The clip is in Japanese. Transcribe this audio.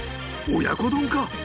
親子丼か？